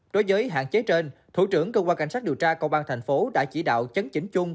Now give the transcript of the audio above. đối với hạn chế trên thủ trưởng cơ quan cảnh sát điều tra công an tp hcm đã chỉ đạo chấn chính chung